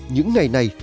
những ngày này